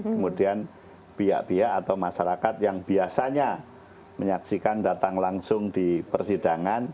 kemudian pihak pihak atau masyarakat yang biasanya menyaksikan datang langsung di persidangan